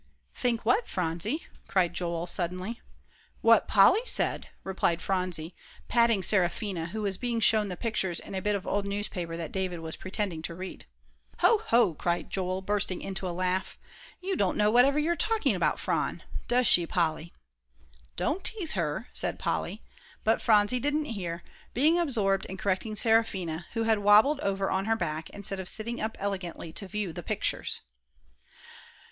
"Think what, Phronsie?" cried Joel, suddenly. "What Polly said," replied Phronsie, patting Seraphina, who was being shown the pictures in a bit of old newspaper that David was pretending to read. "Hoh! Hoh!" cried Joel, bursting into a laugh. "You don't know whatever you're talking about, Phron. Does she, Polly?" "Don't tease her," said Polly; but Phronsie didn't hear, being absorbed in correcting Seraphina, who had wobbled over on her back instead of sitting up elegantly to view the pictures.